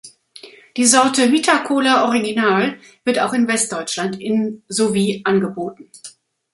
Die Sorte Vita Cola Original wird auch in Westdeutschland in sowie angeboten.